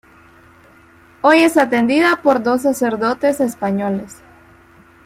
Hoy es atendida por dos sacerdotes españoles.